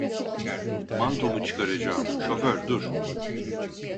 Mantomu çıkaracağım. Şoför dur!